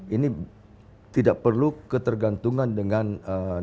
ini tidak perlu ketergantungan dengan negara tetangga